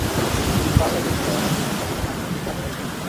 আমরা আরও একটি উত্তেজনাপূর্ণ পর্ব নিয়ে হাজির হয়েছি ট্র্যাভেলার উইকেন্ডে!